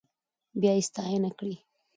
بيا يې ستاينه کړې.